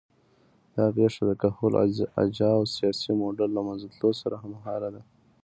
دا پېښه د کهول اجاو سیاسي موډل له منځه تلو سره هممهاله ده